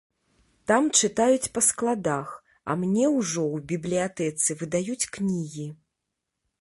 Там чытаюць па складах, а мне ўжо ў бібліятэцы выдаюць кнігі.